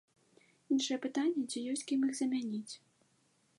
Іншае пытанне, ці ёсць кім іх замяніць.